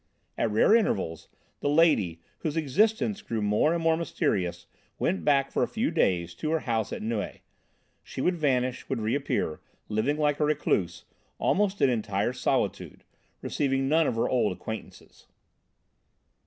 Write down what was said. At rare intervals the Lady, whose existence grew more and more mysterious, went back for a few days to her house at Neuilly. She would vanish, would reappear, living like a recluse, almost in entire solitude, receiving none of her old acquaintances.